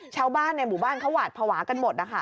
ชาวบ้านในหมู่บ้านเขาหวาดภาวะกันหมดนะคะ